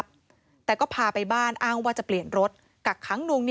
แค่สองวันเนี่ยเหรออืม